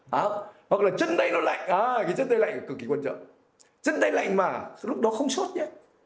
hoặc là chân tay nó lạnh à cái chân tay lạnh cực kỳ quan trọng chân tay lạnh mà lúc đó không sốt nhé